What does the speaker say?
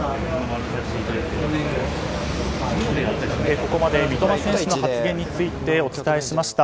ここまで三笘選手の発言をお伝えしました。